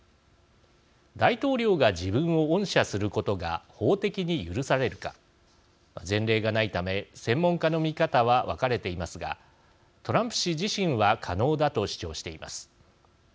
大統領が自分を恩赦することが法的に許されるか前例がないため専門家の見方は分かれていますがトランプ氏自身は可能だと主張しています。